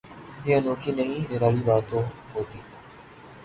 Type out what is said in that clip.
یہ انوکھی نہیں نرالی بات ہوتی۔